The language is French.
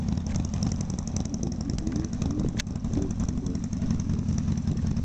Nous sommes toujours rue de l’Homme-Armé.